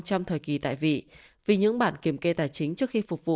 trong thời kỳ tại vị vì những bản kiểm kê tài chính trước khi phục vụ